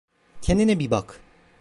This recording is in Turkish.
Kendine bir bak.